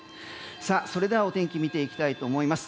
それではお天気見ていきたいと思います。